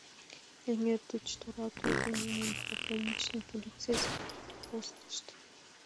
Эҥер деч торат огыл — нунын пограничный полицейский постышт.